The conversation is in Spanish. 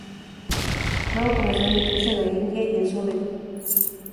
Luego comenzó a emitirse en la India y el Sur de Asia.